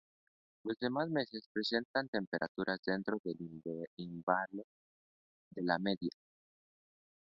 Los demás meses presentan temperaturas dentro del intervalo de la media.